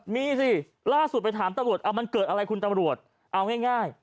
มีสิล่าสุดไปถามตำรวจเอามันเกิดอะไรคุณตำรวจเอาง่าย